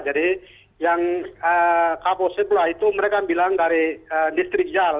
jadi yang kabo sebelah itu mereka bilang dari listrik jal